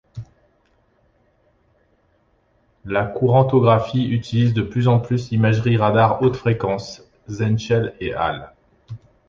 La courantographie utilise de plus en plus l'imagerie radar haute-fréquenceSentchev & al.